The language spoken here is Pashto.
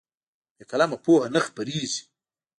بې قلمه پوهه نه خپرېږي.